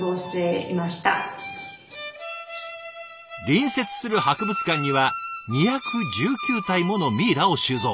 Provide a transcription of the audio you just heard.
隣接する博物館には２１９体ものミイラを収蔵。